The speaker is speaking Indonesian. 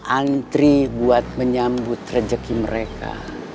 antri buat menyambut rejeki mereka